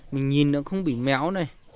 mình nhìn nó không bị méo này